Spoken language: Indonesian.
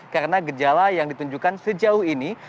karena gejala yang ditunjukkan sejauh ini